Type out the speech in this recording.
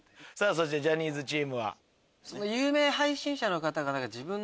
そしてジャニーズチームは？